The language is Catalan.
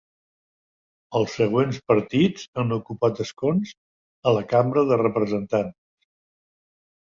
Els següents partits han ocupat escons a la Cambra de Representants.